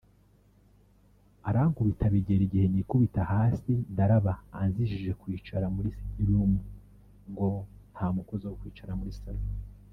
arankubita bigera igihe nikubita hasi ndaraba anzijije kwicara muri city room ngo nta mukozi wo kwicara muri salon